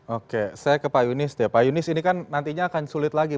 oke saya televisi ke pak yunis ini akan sulit lagi